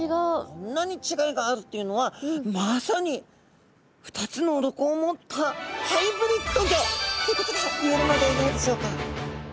こんなに違いがあるというのはまさに２つの鱗を持ったハイブリッド魚ということがいえるのではないでしょうか。